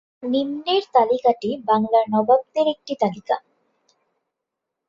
নিম্নের তালিকাটি বাংলার নবাবদের একটি তালিকা।